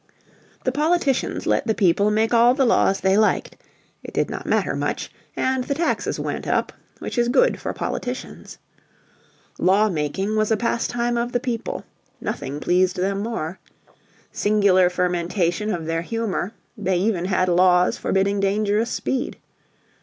The politicians let the people make all the laws they liked; it did not matter much, and the taxes went up, which is good for politicians. Law making was a pastime of the people; nothing pleased them more. Singular fermentation of their humor, they even had laws forbidding dangerous speed.